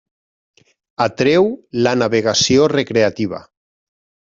Atreu la navegació recreativa.